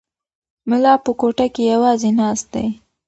ملا په کوټه کې یوازې ناست دی.